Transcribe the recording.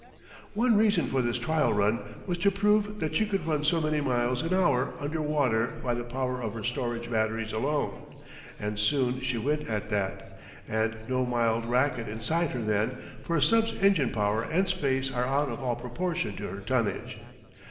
One reason for this trial run was to prove that she could run so many miles an hour under water by the power of her storage batteries alone. And soon she went at that. And no mild racket inside her then; for a sub's engine power and space are out of all proportion to her tonnage.